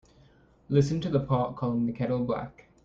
Listen to the pot calling the kettle black.